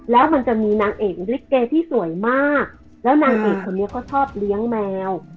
แล้วมันจะมีนางเอกลิเกที่สวยมากแล้วนางเอกคนนี้เขาชอบเลี้ยงแมว